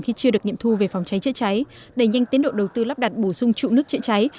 khi chưa được nghiệm thu về phòng cháy chữa cháy đẩy nhanh tiến độ đầu tư lắp đặt bổ sung trụ nước chữa cháy